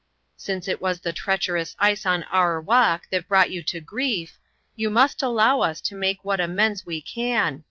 Since it was the treacherous ice on our walk that brought you to grief, you must allow us to make what amends we can.